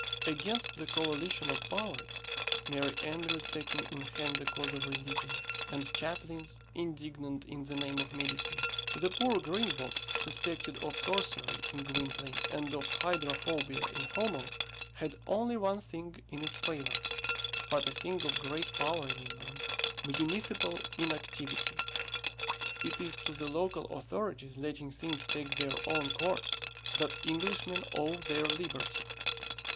Against the coalition of powers merry andrews taking in hand the cause of religion, and chaplains, indignant in the name of medicine the poor Green Box, suspected of sorcery in Gwynplaine and of hydrophobia in Homo, had only one thing in its favour (but a thing of great power in England), municipal inactivity. It is to the local authorities letting things take their own course that Englishmen owe their liberty.